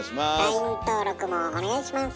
ＬＩＮＥ登録もお願いします。